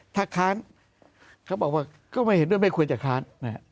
ถ้าขาดเขาบอกว่าก็ไม่เห็นว่าไม่ควรจะขาดนะฮะ